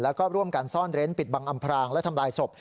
แล้วก็ร่วมกันซ่อนเร้นปิดบังอำพรางและทำลายศพ